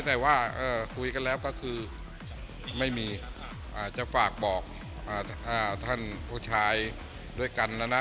แต่ว่าคุยกันแล้วก็คือไม่มีจะฝากบอกท่านผู้ชายด้วยกันนะนะ